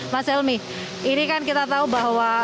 mas helmi ini kan kita tahu bahwa